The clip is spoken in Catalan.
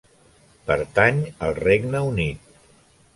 Pertany al Regne Unit.